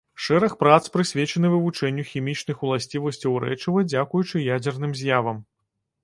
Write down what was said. Шэраг прац прысвечаны вывучэнню хімічных уласцівасцяў рэчыва дзякуючы ядзерным з'явам.